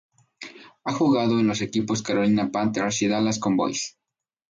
Ha jugado en los equipos Carolina Panthers y Dallas Cowboys.